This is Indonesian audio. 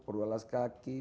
perlu alas kaki